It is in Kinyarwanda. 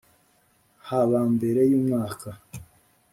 haba mbere y umwaka